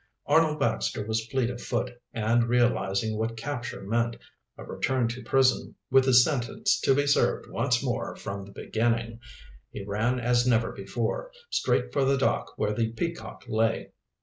Arnold Baxter was fleet of foot, and realizing what capture meant a return to prison with his sentence to be served once more from the beginning he ran as never before, straight for the dock where the Peacock lay.